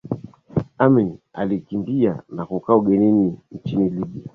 Amin alikimbia na kukaa ugenini nchini Libya